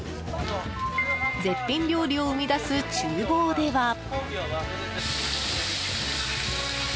絶品料理を生み出す厨房では。